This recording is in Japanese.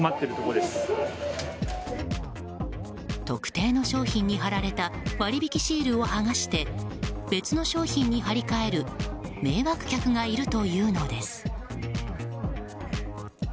特定の商品に貼られた割引シールを剥がして別の商品に貼り替える迷惑客がいるというのです。